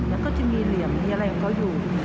แล้วก็จะมีเหลี่ยมที่อะไรก็อยู่